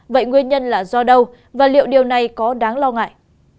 vậy nguyên nhân là do đâu và liệu điều này có đáng lo ngại